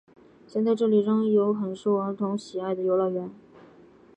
现在这里仍有很受儿童喜爱的游乐园。